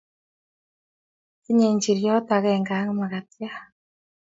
Tinyei njiriot akenge ak makatiat